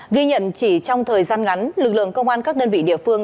ghi nhận chỉ trong thời gian ngắn lực lượng công an các đơn vị địa phương